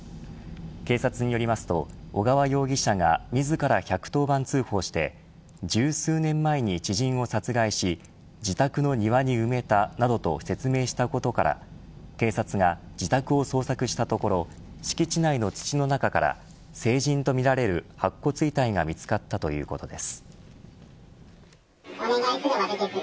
警察によりますと小川容疑者が自ら１１０番通報して十数年前に知人を殺害し自宅の庭に埋めたなどと説明したことから警察が自宅を捜索したところ敷地内の土の中から成人とみられる白骨遺体が見つかったということです。